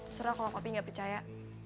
serah kalo papi gak percaya